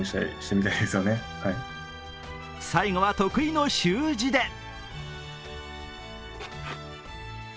最後は得意の習字で。